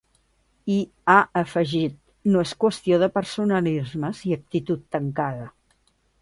I ha afegit: No és qüestió de personalismes i actitud tancada.